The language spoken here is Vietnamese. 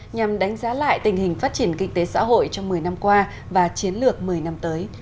nhằm đánh giá lại tình hình phát triển kinh tế xã hội trong một mươi năm qua và chiến lược một mươi năm tới